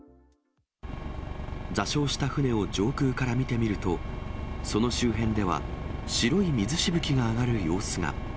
座礁した船を上空から見てみると、その周辺では白い水しぶきが上がる様子が。